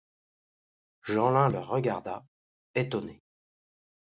Jeanlin le regarda, étonné.